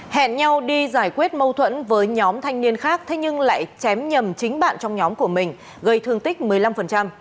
hẹn nhau đi giải quyết mâu thuẫn với nhóm thanh niên khác thế nhưng lại chém nhầm chính bạn trong nhóm của mình gây thương tích một mươi năm